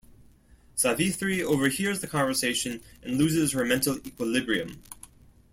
Savithri overhears the conversation, and loses her mental equilibrium.